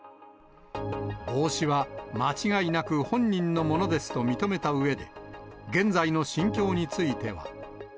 帽子は間違いなく本人のものですと認めたうえで、現在の心境については。